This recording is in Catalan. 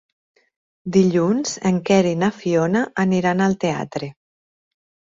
Dilluns en Quer i na Fiona aniran al teatre.